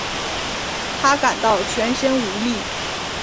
她感到全身无力